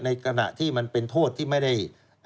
ในขณะที่มันเป็นโทษที่ไม่ได้